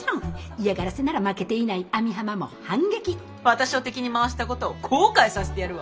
私を敵に回したことを後悔させてやるわ。